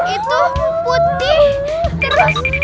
itu putih terus